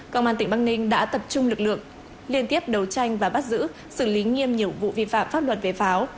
công an tỉnh băng ninh đã tập trung lực lượng liên tiếp đầu tranh và bắt giữ xử lý nghiêm nhiệm vụ vi phạm pháp luật về pháo